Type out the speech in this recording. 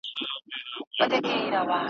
زما به سترګي کله روڼي پر مېله د شالمار کې ,